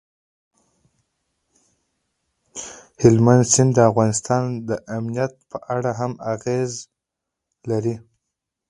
هلمند سیند د افغانستان د امنیت په اړه هم اغېز لري.